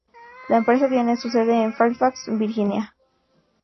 La empresa tiene su sede en Fairfax, Virginia.